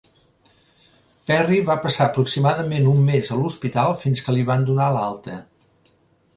Perry va passar aproximadament un mes a l'hospital fins que li van donar l'alta.